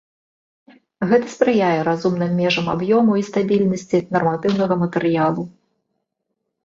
Гэта спрыяе разумным межам аб'ёму і стабільнасці нарматыўнага матэрыялу.